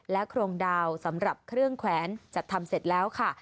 โครงดาวสำหรับเครื่องแขวนจัดทำเสร็จแล้วค่ะ